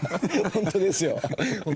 本当です。